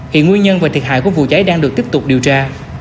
hiện nguyên nhân và thiệt hại của vụ cháy đang được tiếp tục điều tra